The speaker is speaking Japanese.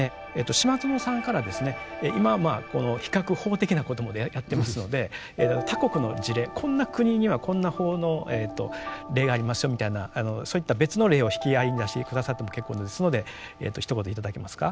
島薗さんからですね今比較法的なことまでやってますので他国の事例「こんな国にはこんな法の例がありますよ」みたいなそういった別の例を引き合いに出して下さっても結構ですのでひと言頂けますか？